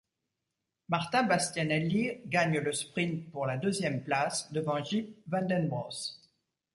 Marta Bastianelli gagne le sprint pour la deuxième place devant Jip van den Bos.